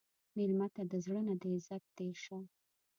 مېلمه ته د زړه نه د عزت تېر شه.